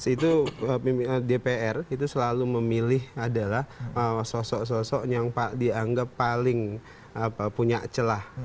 itu dpr itu selalu memilih adalah sosok sosok yang pak dianggap paling punya celah